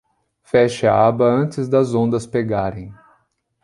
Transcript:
Feche a aba antes das ondas pegarem.